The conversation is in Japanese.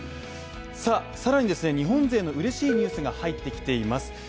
更に、日本勢のうれしいニュースが入ってきています。